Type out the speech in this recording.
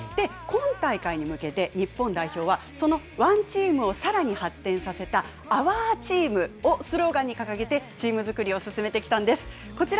今大会に向けて、日本代表は、そのワンチームをさらに発展させたＯｕｒＴｅａｍをスローガンに掲げて、チーム作りを進めてきたんです。